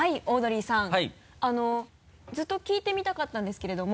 ずっと聞いてみたかったんですけれども。